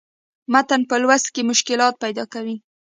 متن پۀ لوست کښې مشکلات پېدا کوي